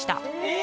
え！